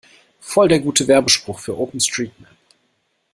Voll der gute Werbespruch für OpenStreetMap!